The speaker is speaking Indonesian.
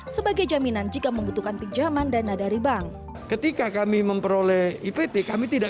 sebagai jaminan jika membutuhkan pinjaman dana dari bank ketika kami memperoleh ipt kami tidak